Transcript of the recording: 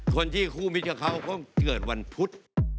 คนที่คู่มิตรกับเขาก็เกิดวันพุธ